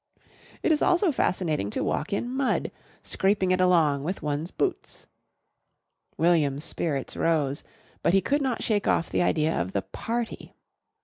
It is also fascinating to walk in mud, scraping it along with one's boots. William's spirits rose, but he could not shake off the idea of the party.